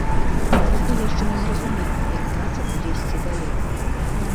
Пакуль яшчэ не зразумела, як праца будзе ісці далей.